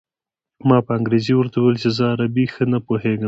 ما په انګرېزۍ ورته وویل چې زه عربي ښه نه پوهېږم.